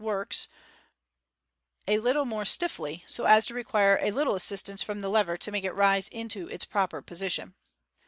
works : lit 'e more stiffly, so as to require a little assistance from the lever to make it rise into its proper position.